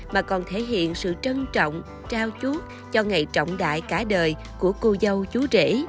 mà còn thể hiện sự trân trọng trao chuốt cho ngày trọng đại cả đời của cô dâu chú rể